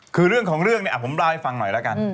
คือเรื่องของเรื่องเนี่ยผมเล่าให้ฟังหน่อยแล้วกัน